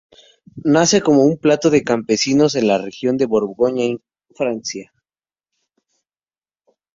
Nace como un plato de campesinos en la región de Borgoña en Francia.